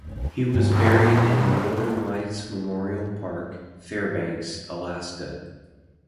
He was buried in Northern Lights Memorial Park, Fairbanks, Alaska.